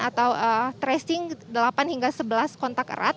atau tracing delapan hingga sebelas kontak erat